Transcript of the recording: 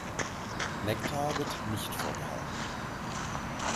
Nektar wird nicht vorgehalten.